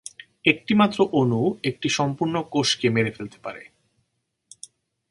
একটি মাত্র অণু একটি সম্পূর্ণ কোষকে মেরে ফেলতে পারে।